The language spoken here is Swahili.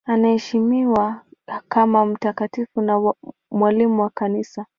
Anaheshimiwa kama mtakatifu na mwalimu wa Kanisa.